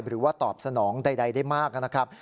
หรือว่าตอบสนองใดได้มากนะครับ